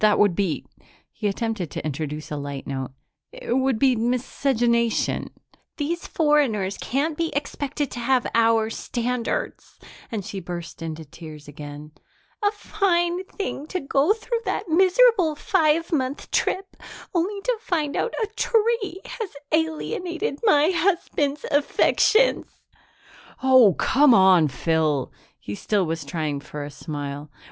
"That would be " he attempted to introduce a light note "it would be miscegenation." "These foreigners can't be expected to have our standards." And she burst into tears again. "A fine thing to go through that miserable five month trip only to find out a tree has alienated my husband's affections." "Oh, come on, Phyl!" He still was trying for a smile.